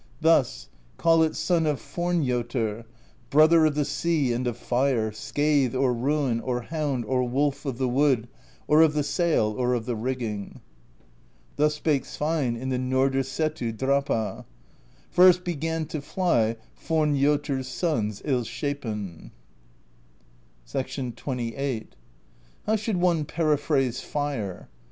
Thus: call it Son of Fornjotr, Brother of the Sea and of Fire, Scathe or Ruin or Hound or Wolf of the Wood or of the Sail or of the Rigging. Thus spake Sveinn in the Nordrsetu drapa : First began to fly Fornjotr's sons ill shapen. XXVIII. "How should one periphrase fire?